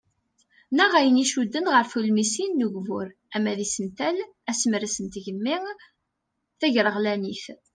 Neɣ ayen iccuden ɣer tulmisin n ugbur ama d isental, asemres n tgemmi ,tagreɣlanit.